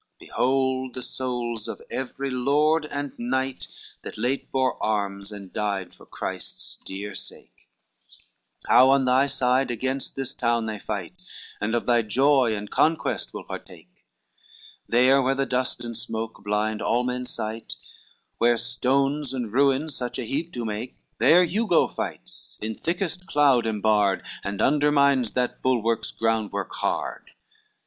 XCIV "Behold the souls of every lord and knight That late bore arms and died for Christ's dear sake, How on thy side against this town they fight, And of thy joy and conquest will partake: There where the dust and smoke blind all men's sight, Where stones and ruins such an heap do make, There Hugo fights, in thickest cloud imbarred, And undermines that bulwark's groundwork hard.